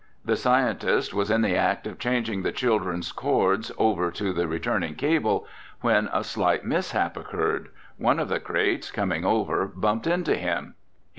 The scientist was in the act of changing the children's cords over to the returning cable when a slight mishap occurred. One of the crates coming over bumped into him.